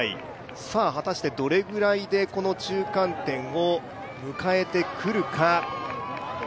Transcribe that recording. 果たしてどれぐらいで中間点を迎えてくるか。